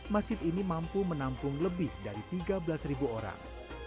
masjid ini mampu menampung lebih dari tiga belas orang